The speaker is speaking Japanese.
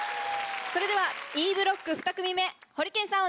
それではＥブロック２組目ホリケンさん